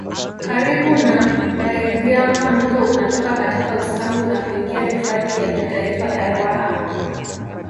Karibu na Ngâiriama mto unatoka katika Usangu na kuingia hifadhi ya kitaifa ya Ruaha